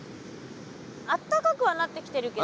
あったかくはなってきてるけど。